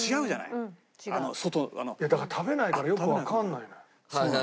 いやだから食べないからよくわかんないのよ。